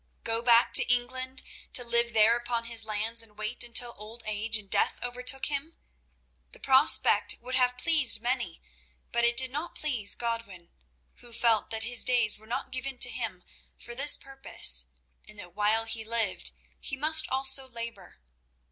Go back to England to live there upon his lands, and wait until old age and death overtook him? The prospect would have pleased many, but it did not please Godwin, who felt that his days were not given to him for this purpose, and that while he lived he must also labour.